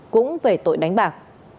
cũng về tội đánh bạc